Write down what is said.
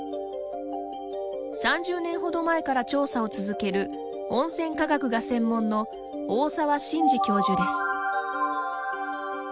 ３０年程前から調査を続ける温泉科学が専門の大沢信二教授です。